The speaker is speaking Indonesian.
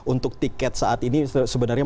untuk tiket saat ini sebenarnya